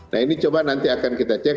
nah ini coba nanti akan kita cek